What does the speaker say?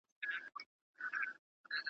پېغلي ځي تر ښوونځیو ځوان مکتب لره روان دی `